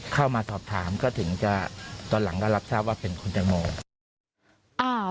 เข้ามาสอบถามก็ถึงจะตอนหลังก็รับทราบว่าเป็นคุณแตงโม